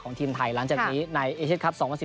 พลังหลักของทีมไทยหลังจากนี้ในเอเชสครับ๒๐๑๙